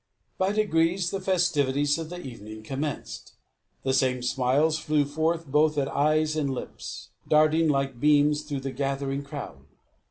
By degrees the festivities of the evening commenced. The same smiles flew forth both at eyes and lips, darting like beams through the gathering crowd.